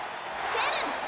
セブン！